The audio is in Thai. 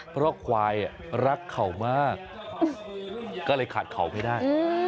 เพราะควายรักเขามากก็เลยขาดเขาไม่ได้